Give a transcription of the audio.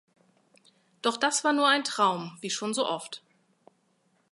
Doch das war nur ein Traum wie schon so oft.